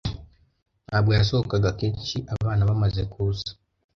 Ntabwo yasohokaga kenshi abana bamaze kuza.